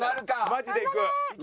マジでいく。